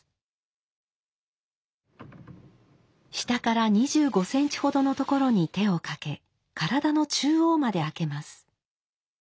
下から２５センチ程の所に手をかけ体の中央まで開けます。